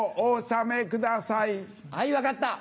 あい分かった。